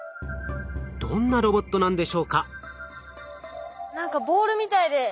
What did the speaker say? どんなロボットなんでしょうか？